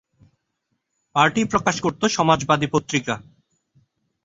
Party প্রকাশ করতো "সমাজবাদী" পত্রিকা।